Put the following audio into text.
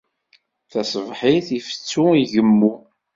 Taṣebḥit, ifettu, igemmu.